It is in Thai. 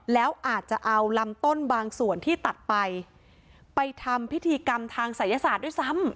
แล้วอาจจะเอาลำต้นบางส่วนที่ตัดไปไปทำพิธีกรรมทางศัยศาสตร์ด้วยซ้ำ